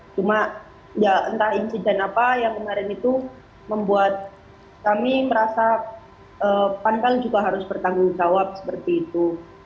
cuma ya entah insiden apa yang kemarin itu membuat kami merasa pan kan juga harus bertanggung jawab seperti itu